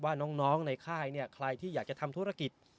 ว่าน้องในค่ายใครที่อยากจะทำธุรกิจ